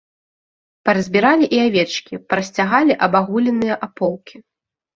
Паразбіралі і авечкі, парасцягалі абагуленыя аполкі.